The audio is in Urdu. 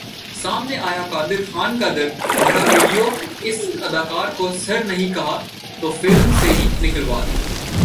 سامنے آیا قادر خان کا درد بھرا ویڈیو ، اس اداکار کو سر نہیں کہا تو فلم سے ہی نکلوادیا